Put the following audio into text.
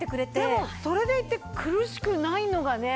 でもそれでいて苦しくないのがね。